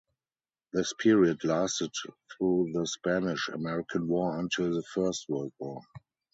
This period lasted through the Spanish–American War until the First World War.